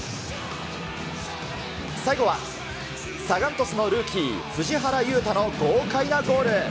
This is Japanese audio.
最後は、サガン鳥栖のルーキー、藤原悠汰の豪快なゴール。